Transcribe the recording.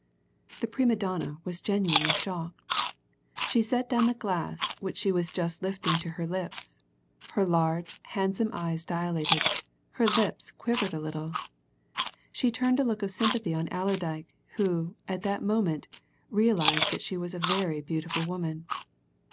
The prima donna was genuinely shocked. She set down the glass which she was just lifting to her lips; her large, handsome eyes dilated, her lips quivered a little. She turned a look of sympathy on Allerdyke, who, at that moment, realized that she was a very beautiful woman.